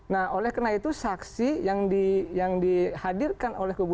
nah oleh karena itu saksi yang dihadirkan oleh kubu dua